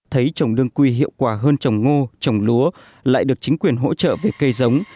thấy trồng đương quy hiệu quả hơn trồng ngô trồng lúa lại được chính quyền hỗ trợ về cây giống